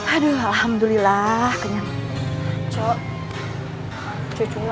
aduh alhamdulillah kenyang